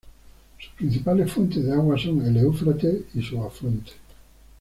Sus principales fuentes de agua son el Éufrates y sus afluentes.